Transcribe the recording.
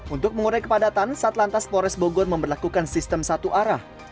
untuk mengurai kepadatan satlantas pores bogor memperlakukan sistem satu arah